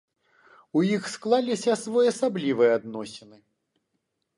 У іх склаліся своеасаблівыя адносіны.